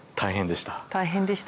大変でした？